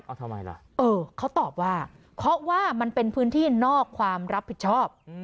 เอาทำไมล่ะเออเขาตอบว่าเพราะว่ามันเป็นพื้นที่นอกความรับผิดชอบ